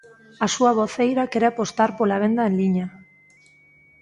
A súa voceira quere apostar pola venda en liña.